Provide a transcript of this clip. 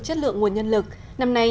chất lượng nguồn nhân lực năm nay